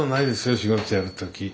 仕事やる時。